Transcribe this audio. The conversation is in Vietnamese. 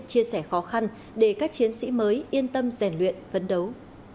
chia sẻ khó khăn để các chiến sĩ mới yên tâm rèn luyện phấn đấu